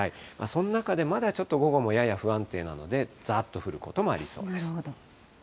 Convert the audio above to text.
その中でまだちょっと午後もやや不安定なので、ざーっと降ることもありそうです。